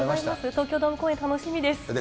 東京ドーム公演、楽しみです。